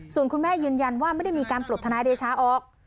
ส่วนคุณแม่ยืนยันว่าไม่ได้มีการปลดทนายเดชาออก